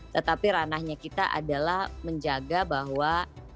tetapi ranahnya kita adalah menjaga bahwa